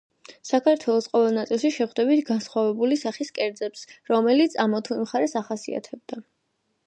საქართველოს ყოველ ნაწილში შეხვდებით განსხვავებული სახის კერძებს, რომელიც ამა თუ იმ მხარეს ახასიათებდა.